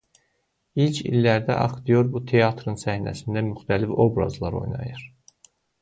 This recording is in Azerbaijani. İlk illərdə aktyor bu teatrın səhnəsində müxtəlif obrazlar oynayır.